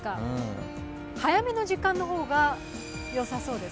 早めの時間の方が良さそうですか？